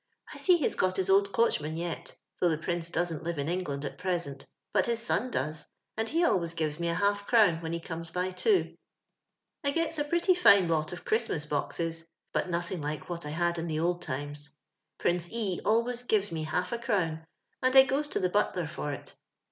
I see he's got Ins old coachman yet, though tho Prince don't live in England at present, bat his son does, and he always gives me a half crown when he comes by too. *• I gets a pretty fine lot of Chrietmas boxes, but nothing like what I had in the old times. Prince E always gives me half a cn^wn, and 1 goes to the buuer for it.